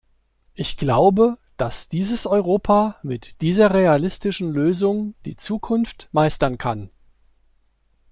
Ich glaube, dass dieses Europa mit dieser realistischen Lösung die Zukunft meistern kann.